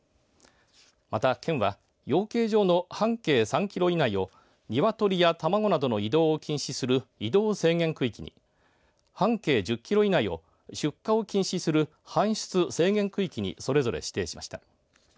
また県は養鶏場の半径３キロ以内をニワトリや卵などの移動を禁止する移動制限区域に半径１０キロ以内を出荷を禁止する搬出制限区域にそれぞれ指定しました。